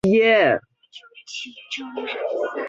托马塔尔是奥地利萨尔茨堡州隆高县的一个市镇。